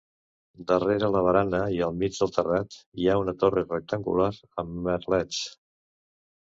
Darrere la barana i al mig del terrat hi ha una torre rectangular amb merlets.